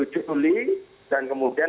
tujuh juli dan kemudian